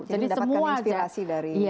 jadi mendapatkan inspirasi dari